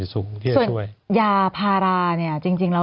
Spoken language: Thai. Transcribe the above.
ส่วนยาพาราเนี่ยจริงแล้ว